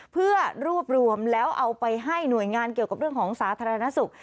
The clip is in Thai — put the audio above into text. เพื่อรวบรวมแล้วเอาไปให้หน่วยงานเกี่ยวกับเรื่องของสาธารณสุข